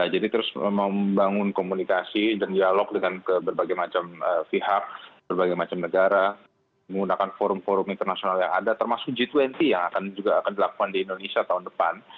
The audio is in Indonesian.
jadi terus membangun komunikasi dan dialog dengan berbagai macam pihak berbagai macam negara menggunakan forum forum internasional yang ada termasuk g dua puluh yang juga akan dilakukan di indonesia tahun depan